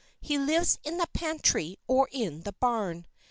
He lives in the pantry or in the barn.